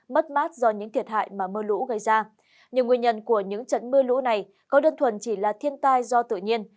mất mát do những thiệt hại mà mưa lũ gây ra nhưng nguyên nhân của những trận mưa lũ này có đơn thuần chỉ là thiên tai do tự nhiên